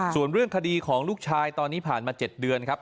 ส่วนเรื่องคดีของลูกชายตอนนี้ผ่านมา๗เดือนครับ